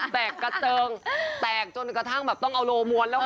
แตกกระเจิงแตกจนกระทั่งแบบต้องเอาโลม้วนแล้วค่ะ